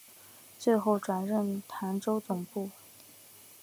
最后转任澶州总管。